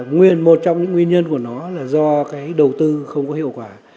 nguyên một trong những nguyên nhân của nó là do cái đầu tư không có hiệu quả